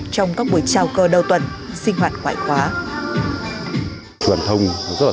trong các buổi trao cơ đầu tuần sinh hoạt ngoại khóa